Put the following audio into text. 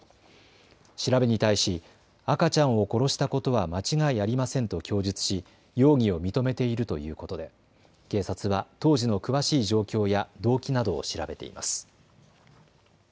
調べに対し赤ちゃんを殺したことは間違いありませんと供述し容疑を認めているということで警察は当時の詳しい状況や動機などを調べています。